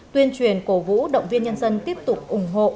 tuyên truyền cổ vũ động viên nhân dân tiếp tục ủng hộ